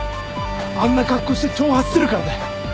あんな格好して挑発するからだ。